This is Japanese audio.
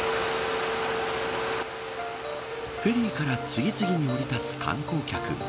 フェリーから次々に降り立つ観光客。